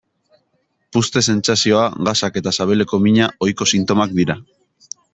Puzte-sentsazioa, gasak eta sabeleko mina ohiko sintomak dira.